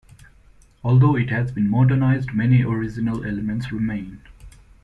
Although it has been modernised, many original elements remain.